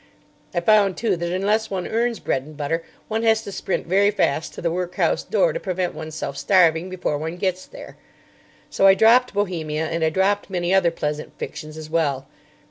I found, too, that unless one earns bread and butter, one has to sprint very fast to the workhouse door to prevent oneself starving before one gets there; so I dropped Bohemia and I dropped many other pleasant fictions as well.